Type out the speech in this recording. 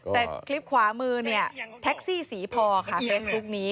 แต่คลิปขวามือเนี่ยแท็กซี่สีพอค่ะเฟซบุ๊กนี้